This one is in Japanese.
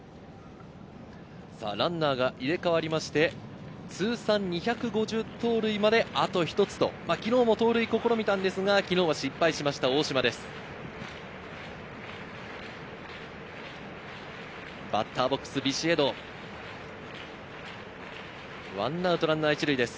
ランナーが入れ替わりまして、通算２５０盗塁まであと一つと、昨日も盗塁を試みたんですが昨日は失敗しました大島です。